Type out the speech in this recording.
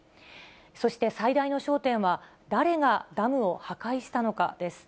そして、最大の焦点は、誰がダムを破壊したのかです。